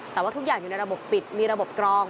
แต่ว่าทุกอย่างอยู่ในระบบปิดมีระบบกรอง